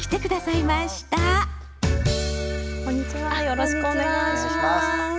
よろしくお願いします。